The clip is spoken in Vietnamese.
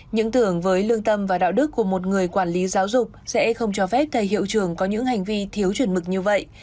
những tưởng với lương tâm và đạo đức của một người quản lý giáo dục sẽ không cho phép thầy hiệu trường có những hành vi thiếu chuẩn mực như vậy